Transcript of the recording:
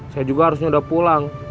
saya juga harusnya udah pulang